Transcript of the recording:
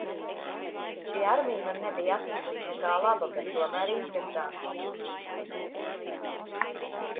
Šī armija man nebija atnesusi nekā laba, bet tomēr interesanti.